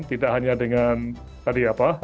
tidak hanya dengan tadi apa